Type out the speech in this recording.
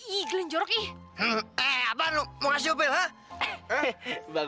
yaudah masuk ya mam